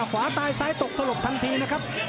ขวาตายซ้ายตกสลบทันทีนะครับ